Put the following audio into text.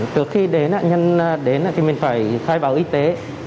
từ khi đến nhanh đến thì mình phải khai báo y tế